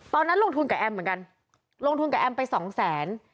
ตอนนั้นลงทุนกับแอมเหมือนกันลงทุนกับแอมไปสองแสน